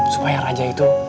supaya raja itu